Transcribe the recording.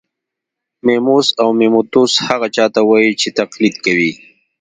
میموس او میموتوس هغه چا ته وايي چې تقلید کوي